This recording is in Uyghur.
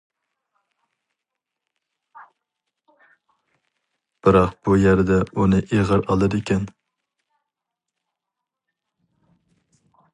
بىراق بۇ يەردە ئۇنى ئېغىر ئالىدىكەن.